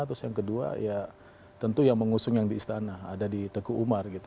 terus yang kedua ya tentu yang mengusung yang di istana ada di teguh umar gitu